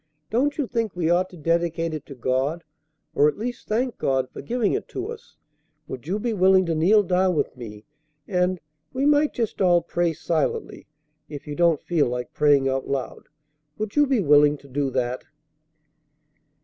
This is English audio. Don't you think we ought to dedicate it to God, or at least thank God for giving it to us? Would you be willing to kneel down with me, and we might just all pray silently, if you don't feel like praying out loud. Would you be willing to do that?"